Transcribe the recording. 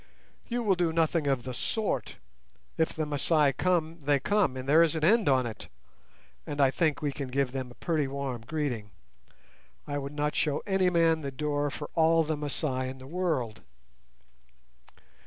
"You will do nothing of the sort. If the Masai come, they come, and there is an end on it; and I think we can give them a pretty warm greeting. I would not show any man the door for all the Masai in the world."